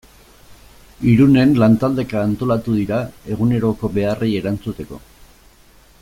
Irunen lantaldeka antolatu dira eguneroko beharrei erantzuteko.